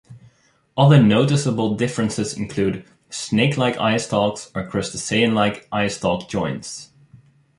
Other noticeable differences include snakelike eyestalks or crustacean like eyestalk joints.